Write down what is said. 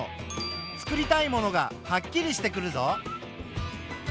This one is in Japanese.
作りたいものがはっきりしてくるぞ。